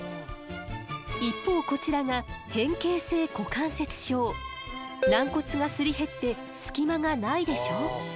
一方こちらが軟骨がすり減って隙間がないでしょう？